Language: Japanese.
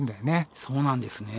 そうなんですね。